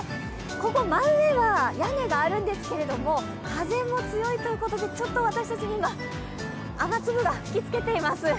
ここ真上は屋根があるんですけれども、風も強いということでちょっと私たちも今、雨粒が吹きつけています。